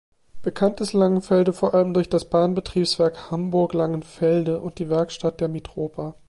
Bekannt ist Langenfelde vor allem durch das Bahnbetriebswerk "Hamburg-Langenfelde" und die Werkstatt der Mitropa.